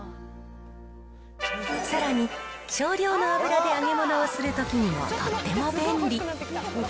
さらに少量の油で揚げ物をするときにもとっても便利。